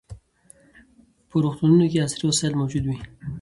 په روغتونونو کې عصري وسایل موجود وي.